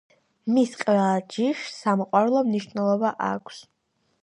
მის ყველა ჯიშს სამოყვარულო მნიშვნელობა აქვს.